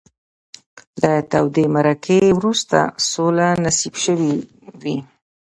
له تودې معرکې وروسته سوله نصیب شوې وي.